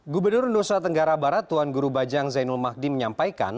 gubernur nusa tenggara barat tuan guru bajang zainul mahdi menyampaikan